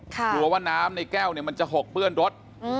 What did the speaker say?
กลัวว่าน้ำในแก้วมันจะหกเปื้อนรถ